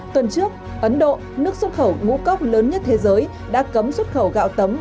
tuần trước ấn độ nước xuất khẩu ngũ cốc lớn nhất thế giới đã cấm xuất khẩu gạo tấm